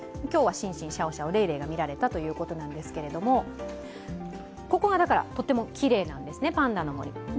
今日はシンシン、シャオシャオ、レイレイが見られたということなんですがここがだからとてもきれいなんですね、パンダのもり。